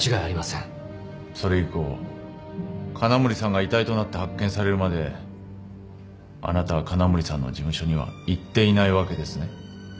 それ以降金森さんが遺体となって発見されるまであなたは金森さんの事務所には行っていないわけですね？